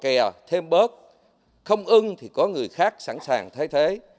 kẻ thêm bớt không ưng thì có người khác sẵn sàng thay thế